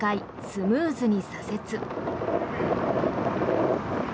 スムーズに左折。